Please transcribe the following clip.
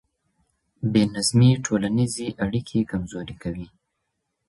بې نظمي ټولنيز اړيکي کمزوري کوي.